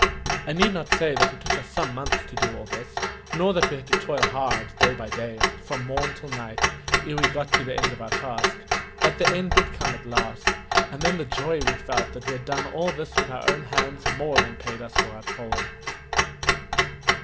I need not say that it took us some months to do all this, nor that we had to toil hard day by day, from morn till night, ere we got to the end of our task; but the end did come at last, and then the joy we felt that we had done all this with our own hands more than paid us for our toil.